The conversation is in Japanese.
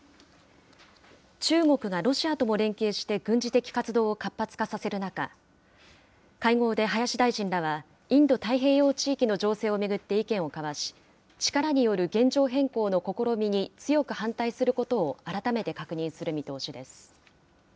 中国がロシアとも連携して軍事的活動を活発化させる中、会合で林大臣らは、インド太平洋地域の情勢を巡って意見を交わし、力による現状変更の試みに強く反対することを、改めて確認する見通しです。